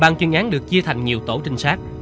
ban chuyên án được chia thành nhiều tổ trinh sát